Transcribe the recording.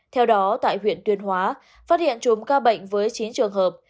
theo đó tại huyện tuyên hóa phát hiện chùm ca bệnh với chín trường hợp